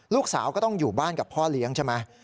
ลูกสาวก็ต้องอยู่บ้านกับพ่อเลี้ยงใช่ไหม